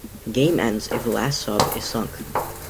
Game ends if last sub is sunk.